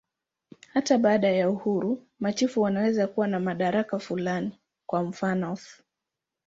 Hata baada ya uhuru, machifu wanaweza kuwa na madaraka fulani, kwa mfanof.